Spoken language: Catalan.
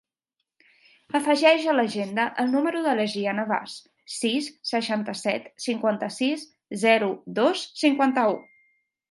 Afegeix a l'agenda el número de la Gianna Baz: sis, seixanta-set, cinquanta-sis, zero, dos, cinquanta-u.